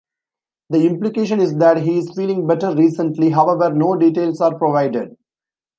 The implication is that he is feeling better recently; however, no details are provided.